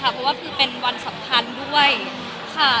เพราะว่าคือเป็นวันสำคัญด้วยค่ะ